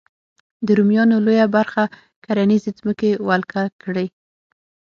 د رومیانو لویه برخه کرنیزې ځمکې ولکه کړې.